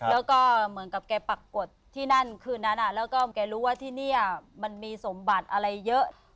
แล้วก็เหมือนกับแกปรากฏที่นั่นคืนนั้นแล้วก็แกรู้ว่าที่นี่มันมีสมบัติอะไรเยอะ